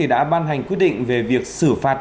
đã ban hành quyết định về việc xử phạt